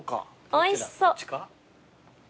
・おいしそう。